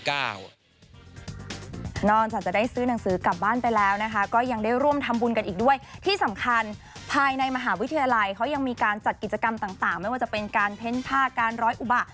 นอกจากจะได้ซื้อหนังสือกลับบ้านไปแล้วนะคะก็ยังได้ร่วมทำบุญกันอีกด้วยที่สำคัญภายในมหาวิทยาลัยเขายังมีการจัดกิจกรรมต่างไม่ว่าจะเป็นการเพ้นผ้าการร้อยอุบะ